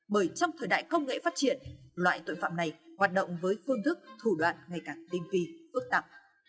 bởi trong thời đại công nghệ phát triển loại tội phạm này hoạt động với phương thức thủ đoạn ngày càng tinh vi phức tạp